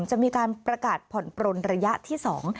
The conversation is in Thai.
จะมีการประกาศผ่อนปลนระยะที่สอง